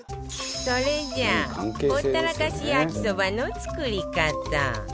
それじゃほったらかし焼きそばの作り方